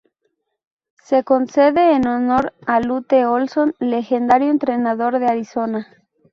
Se concede en honor de Lute Olson, legendario entrenador de Arizona.